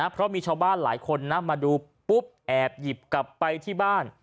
เพราะมีชาวบ้านหลายคนนะมาดูปุ๊บแอบหยิบกลับไปที่บ้าน